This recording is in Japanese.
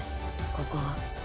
ここは。